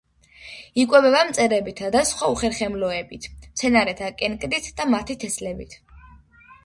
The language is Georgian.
იკვებება მწერებითა და სხვა უხერხემლოებით, მცენარეთა კენკრით და მათი თესლებით.